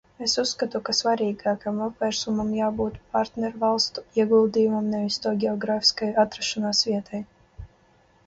Es uzskatu, ka svarīgākajam apsvērumam jābūt partnervalstu ieguldījumam, nevis to ģeogrāfiskajai atrašanās vietai.